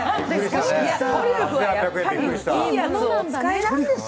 トリュフはやっぱりいいやつをお使いなんですよ。